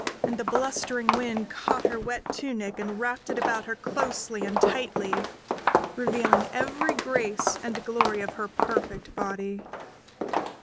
And the blustering wind caught her wet tunic and wrapped it about her closely and tightly, revealing every grace and glory of her perfect body.